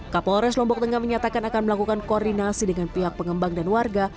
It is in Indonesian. kapolres lombok tengah menyatakan akan melakukan koordinasi dengan pihak pengembang dan warga